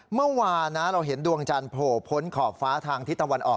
เมื่อวานนะเราเห็นดวงจันทร์โผล่พ้นขอบฟ้าทางทิศตะวันออก